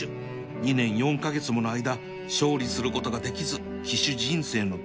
２年４カ月もの間勝利することができず騎手人生のどん底にいた